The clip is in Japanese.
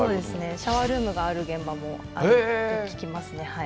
シャワールームがある現場もあると聞きますねはい。